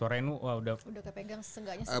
udah kepegang seenggaknya sekian